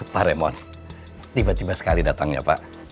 pak remon tiba tiba sekali datangnya pak